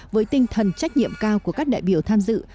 với tinh thần trách nhiệm cao của các đại biểu tham dự